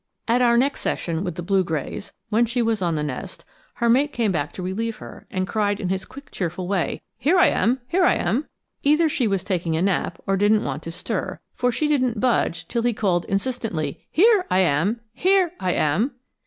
At our next session with the blue grays, when she was on the nest, her mate came back to relieve her and cried in his quick cheerful way, "Here I am, here I am!" Either she was taking a nap or didn't want to stir, for she didn't budge till he called insistently, "Here I am, here I am!"